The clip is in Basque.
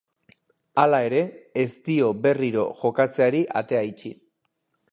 Hala ere, ez dio berriro jokatzeari atea itxi.